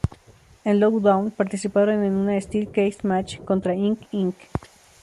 En "Lockdown", participaron en una "Steel Cage match" contra Ink Inc.